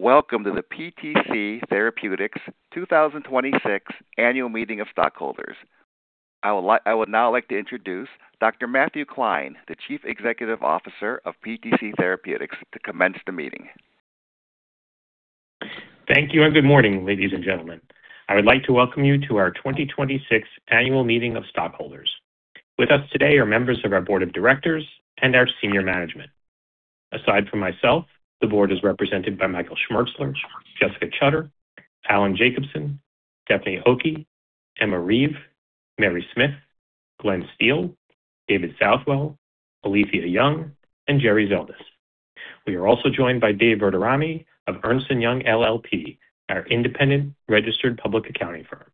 Welcome to the PTC Therapeutics 2026 Annual Meeting of Stockholders. I would now like to introduce Dr. Matthew Klein, the Chief Executive Officer of PTC Therapeutics, to commence the meeting. Thank you, and good morning, ladies and gentlemen. I would like to welcome you to our 2026 Annual Meeting of Stockholders. With us today are members of our board of directors and our senior management. Aside from myself, the board is represented by Michael Schmertzler, Jessica Chutter, Allan Jacobson, Stephanie Okey, Emma Reeve, Mary Smith, Glenn Steele, David Southwell, Alethia Young, and Jerry Zeldis. We are also joined by Dave Verderami of Ernst & Young LLP, our independent registered public accounting firm.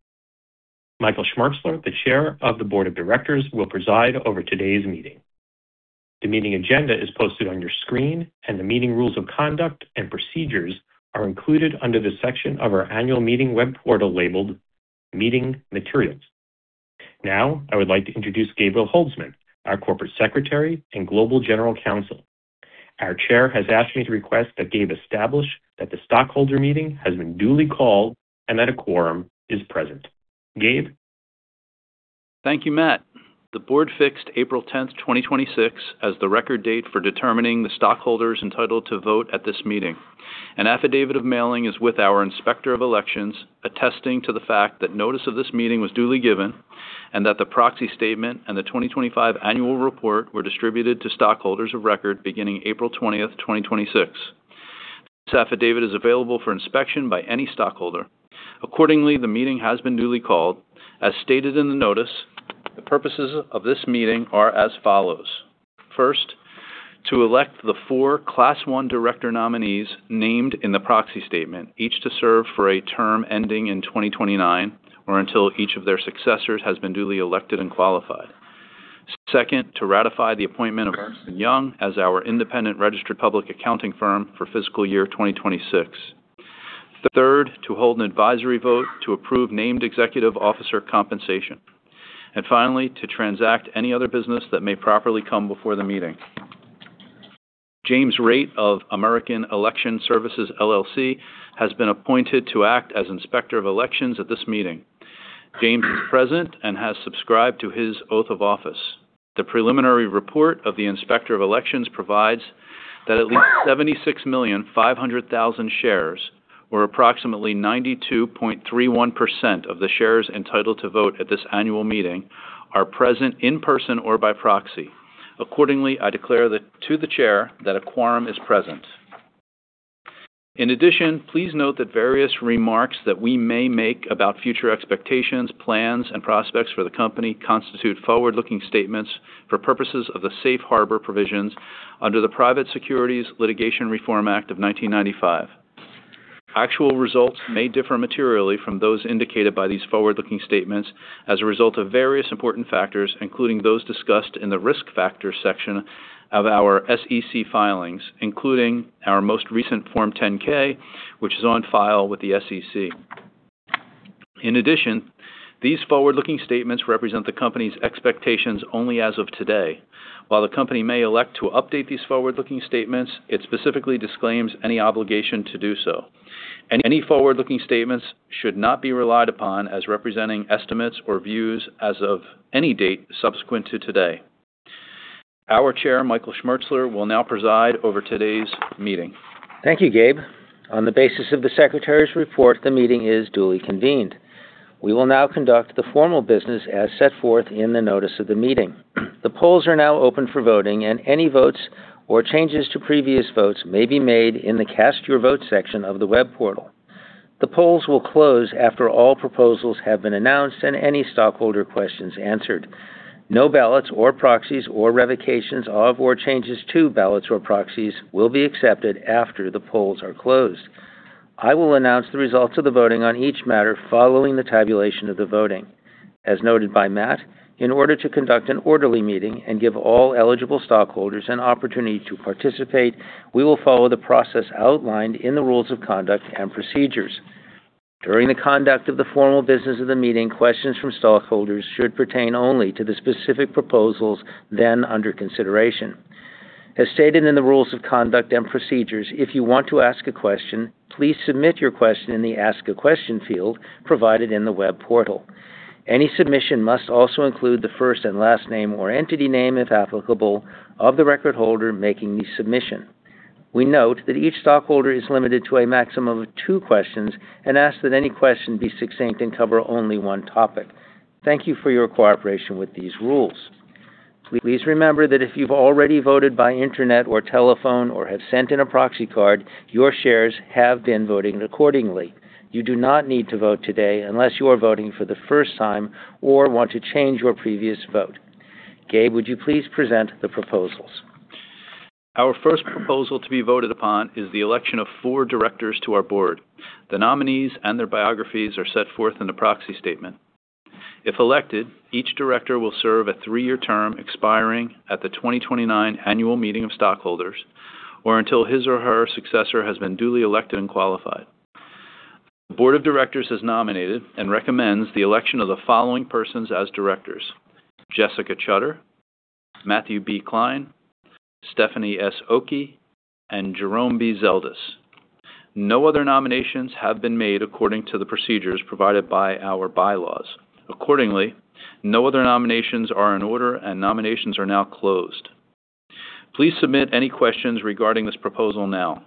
Michael Schmertzler, the chair of the board of directors, will preside over today's meeting. The meeting agenda is posted on your screen. The meeting rules of conduct and procedures are included under the section of our annual meeting web portal labeled Meeting Materials. Now, I would like to introduce Gabriel Holdsman, our Corporate Secretary and Global General Counsel. Our chair has asked me to request that Gabe establish that the stockholder meeting has been duly called and that a quorum is present. Gabe? Thank you, Matt. The board fixed April 10th, 2026, as the record date for determining the stockholders entitled to vote at this meeting. An affidavit of mailing is with our Inspector of Elections, attesting to the fact that notice of this meeting was duly given and that the proxy statement and the 2025 annual report were distributed to stockholders of record beginning April 20th, 2026. This affidavit is available for inspection by any stockholder. Accordingly, the meeting has been duly called. As stated in the notice, the purposes of this meeting are as follows. First, to elect the four class one director nominees named in the proxy statement, each to serve for a term ending in 2029, or until each of their successors has been duly elected and qualified. Second, to ratify the appointment of Ernst & Young as our independent registered public accounting firm for fiscal year 2026. Third, to hold an advisory vote to approve named executive officer compensation. Finally, to transact any other business that may properly come before the meeting. James Rate of American Election Services, LLC has been appointed to act as Inspector of Elections at this meeting. James is present and has subscribed to his oath of office. The preliminary report of the Inspector of Elections provides that at least 76,500,000 shares, or approximately 92.31% of the shares entitled to vote at this annual meeting, are present in person or by proxy. Accordingly, I declare to the chair that a quorum is present. In addition, please note that various remarks that we may make about future expectations, plans, and prospects for the company constitute forward-looking statements for purposes of the safe harbor provisions under the Private Securities Litigation Reform Act of 1995. Actual results may differ materially from those indicated by these forward-looking statements as a result of various important factors, including those discussed in the Risk Factors section of our SEC filings, including our most recent Form 10-K, which is on file with the SEC. In addition, these forward-looking statements represent the company's expectations only as of today. While the company may elect to update these forward-looking statements, it specifically disclaims any obligation to do so. Any forward-looking statements should not be relied upon as representing estimates or views as of any date subsequent to today. Our Chair, Michael Schmertzler, will now preside over today's meeting. Thank you, Gabe. On the basis of the secretary's report, the meeting is duly convened. We will now conduct the formal business as set forth in the notice of the meeting. The polls are now open for voting, and any votes or changes to previous votes may be made in the Cast Your Vote section of the web portal. The polls will close after all proposals have been announced and any stockholder questions answered. No ballots or proxies or revocations of, or changes to, ballots or proxies will be accepted after the polls are closed. I will announce the results of the voting on each matter following the tabulation of the voting. As noted by Matt, in order to conduct an orderly meeting and give all eligible stockholders an opportunity to participate, we will follow the process outlined in the rules of conduct and procedures. During the conduct of the formal business of the meeting, questions from stockholders should pertain only to the specific proposals then under consideration. As stated in the rules of conduct and procedures, if you want to ask a question, please submit your question in the Ask a Question field provided in the web portal. Any submission must also include the first and last name, or entity name, if applicable, of the record holder making the submission. We note that each stockholder is limited to a maximum of two questions and ask that any question be succinct and cover only one topic. Thank you for your cooperation with these rules. Please remember that if you've already voted by internet or telephone or have sent in a proxy card, your shares have been voted accordingly. You do not need to vote today unless you are voting for the first time or want to change your previous vote. Gabe, would you please present the proposals? Our first proposal to be voted upon is the election of four directors to our Board. The nominees and their biographies are set forth in the proxy statement. If elected, each director will serve a three-year term expiring at the 2029 Annual Meeting of Stockholders, or until his or her successor has been duly elected and qualified. The Board of Directors has nominated and recommends the election of the following persons as directors: Jessica Chutter, Matthew B. Klein, Stephanie S. Okey, and Jerome B. Zeldis. No other nominations have been made according to the procedures provided by our bylaws. Accordingly, no other nominations are in order and nominations are now closed. Please submit any questions regarding this proposal now.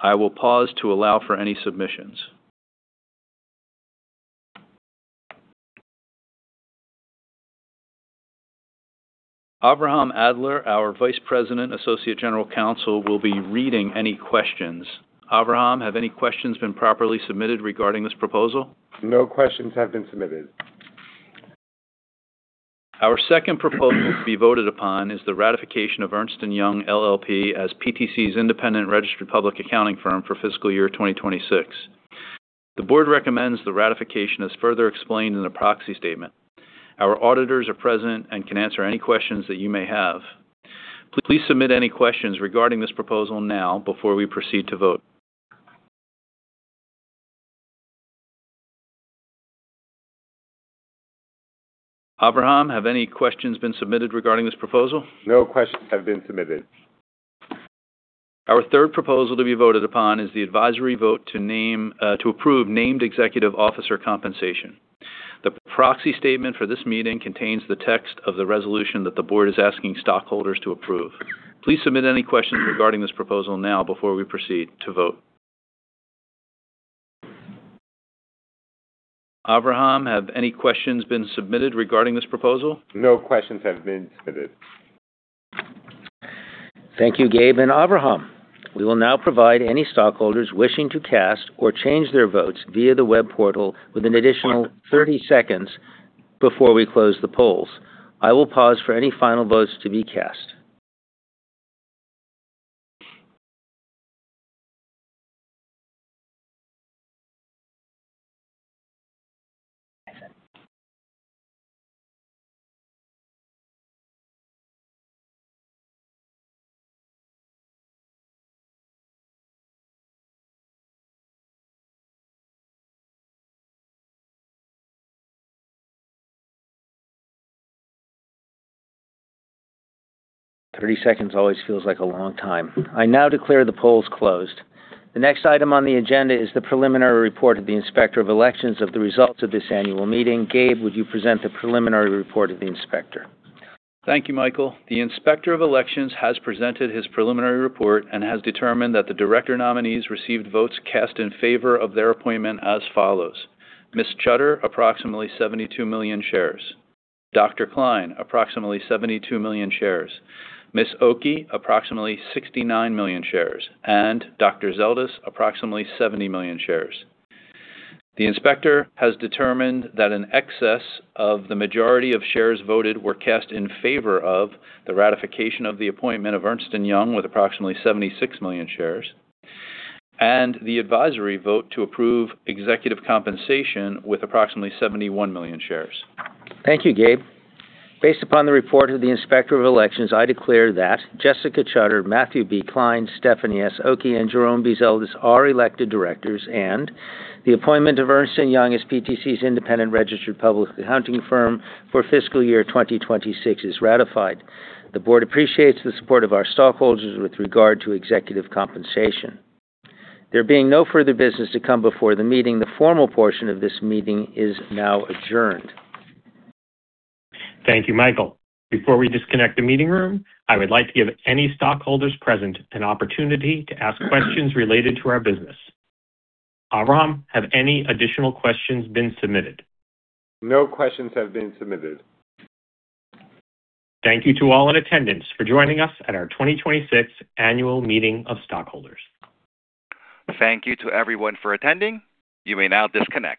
I will pause to allow for any submissions. Avraham Adler, our Vice President, Associate General Counsel, will be reading any questions. Avraham, have any questions been properly submitted regarding this proposal? No questions have been submitted. Our second proposal to be voted upon is the ratification of Ernst & Young LLP as PTC's independent registered public accounting firm for fiscal year 2026. The board recommends the ratification as further explained in the proxy statement. Our auditors are present and can answer any questions that you may have. Please submit any questions regarding this proposal now before we proceed to vote. Avraham, have any questions been submitted regarding this proposal? No questions have been submitted. Our third proposal to be voted upon is the advisory vote to approve named executive officer compensation. The proxy statement for this meeting contains the text of the resolution that the board is asking stockholders to approve. Please submit any questions regarding this proposal now before we proceed to vote. Avraham, have any questions been submitted regarding this proposal? No questions have been submitted. Thank you, Gabe and Avraham. We will now provide any stockholders wishing to cast or change their votes via the web portal with an additional 30 seconds before we close the polls. I will pause for any final votes to be cast. 30 seconds always feels like a long time. I now declare the polls closed. The next item on the agenda is the preliminary report of the Inspector of Elections of the results of this annual meeting. Gabe, would you present the preliminary report of the Inspector? Thank you, Michael. The Inspector of Elections has presented his preliminary report and has determined that the director nominees received votes cast in favor of their appointment as follows: Ms. Chutter, approximately 72 million shares, Dr. Klein, approximately 72 million shares, Ms. Okey, approximately 69 million shares, and Dr. Zeldis, approximately 70 million shares. The inspector has determined that in excess of the majority of shares voted were cast in favor of the ratification of the appointment of Ernst & Young with approximately 76 million shares, and the advisory vote to approve executive compensation with approximately 71 million shares. Thank you, Gabe. Based upon the report of the Inspector of Elections, I declare that Jessica Chutter, Matthew B. Klein, Stephanie S. Okey, and Jerome B. Zeldis are elected directors, and the appointment of Ernst & Young as PTC's independent registered public accounting firm for fiscal year 2026 is ratified. The board appreciates the support of our stockholders with regard to executive compensation. There being no further business to come before the meeting, the formal portion of this meeting is now adjourned. Thank you, Michael. Before we disconnect the meeting room, I would like to give any stockholders present an opportunity to ask questions related to our business. Avraham, have any additional questions been submitted? No questions have been submitted. Thank you to all in attendance for joining us at our 2026 Annual Meeting of Stockholders. Thank you to everyone for attending. You may now disconnect.